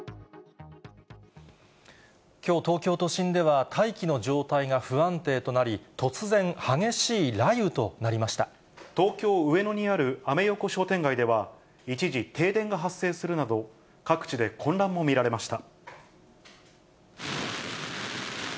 きょう、東京都心では大気の状態が不安定となり、突然、激しい雷雨となり東京・上野にあるアメ横商店街では、一時、停電が発生するなど、各地で混乱も見られました。